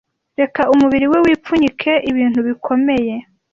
reka umubiri we wipfunyike ibintu bikomeye